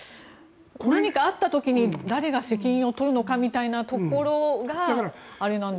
何かあった時に誰が責任を取るのかみたいなところがあれなんですかね。